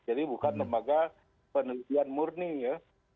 jadi bukan lembaga penelitian murni ya